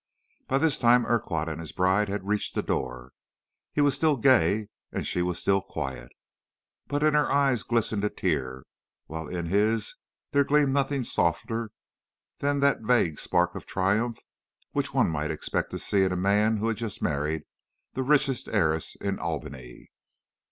"By this time Urquhart and his bride had reached the door. He was still gay and she was still quiet. But in her eye glistened a tear, while in his there gleamed nothing softer than that vague spark of triumph which one might expect to see in a man who had just married the richest heiress in Albany.